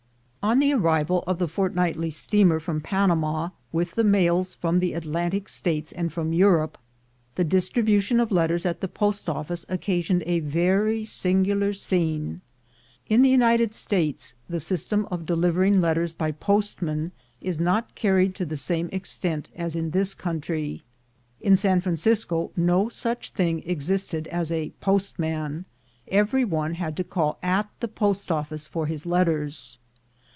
On the arrival of the fortnightly steamer from Panama with the mails from the Atlantic States and from Europe, the distribution of letters at the post ofKce occasioned a very singular scene. In the United States the system of delivering letters by postmen is not carried to the same extent as in this country. In San Francisco no such thing existed as a postman; every one had to call at the post ofiice for his letters.